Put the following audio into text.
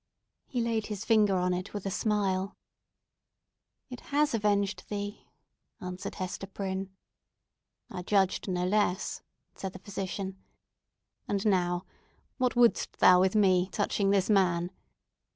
He laid his finger on it with a smile. "It has avenged thee," answered Hester Prynne. "I judged no less," said the physician. "And now what wouldst thou with me touching this man?"